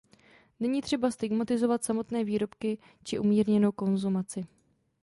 Není třeba stigmatizovat samotné výrobky či umírněnou konzumaci.